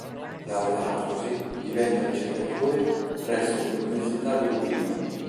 Laureatosi, diventa ricercatore presso l'Università di Urbino.